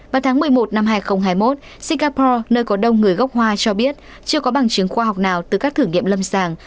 vào tháng một mươi một năm hai nghìn hai mươi một singapore nơi có đông người gốc hoa cho biết chưa có bằng chứng khoa học nào từ các thử nghiệm lâm sàng